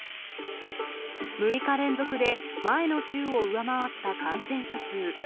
６日連続で前の週を上回った感染者数。